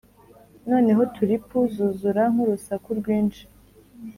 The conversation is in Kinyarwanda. noneho tulipu zuzura nk'urusaku rwinshi.